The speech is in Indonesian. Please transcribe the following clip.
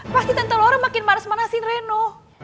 pasti tante laura makin maras marasiin reno